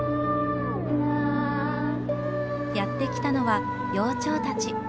やって来たのは幼鳥たち。